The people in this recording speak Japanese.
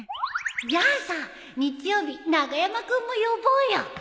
じゃあさ日曜日長山君も呼ぼうよ